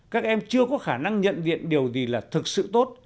các em chưa có khả năng nhận diện điều gì là thực sự tốt